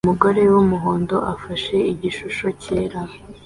Umugore wumuhondo ufashe igishusho cyera